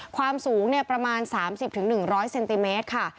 ความสูงประมาณ๓๐๑๐๐เซนติเมตรค่ะ